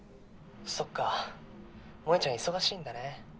そっか萌ちゃん忙しいんだね。